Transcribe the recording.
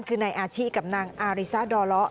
คือในอาชีพกับนางอาริซาดรอ